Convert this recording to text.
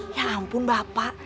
ya ampun bapak